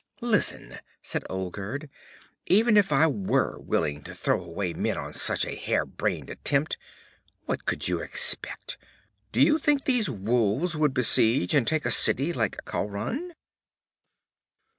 'Listen,' said Olgerd, 'even if I were willing to throw away men on such a hare brained attempt what could you expect? Do you think these wolves could besiege and take a city like Khauran?'